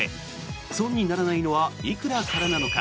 損にならないのはいくらからなのか。